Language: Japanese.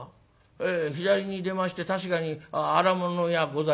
ええ左に出まして確かに荒物屋ございます。